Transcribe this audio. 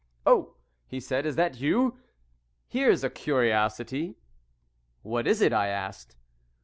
"Oh," he said, "is that you? Here's a curiosity." "What is it?" I asked.